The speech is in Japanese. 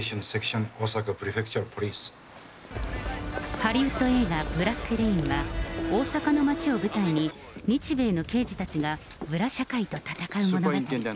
ハリウッド映画、ブラック・レインは、大阪の街を舞台に、日米の刑事たちが裏社会と戦う物語。